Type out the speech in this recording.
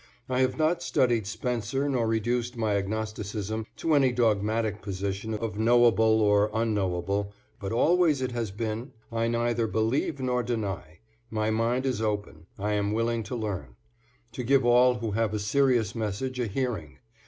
I have not studied Spencer nor reduced my agnosticism to any dogmatic position of knowable or unknowable, but always it has been: I neither believe nor deny; my mind is open; I am willing to learn; to give all who have a serious message a hearing.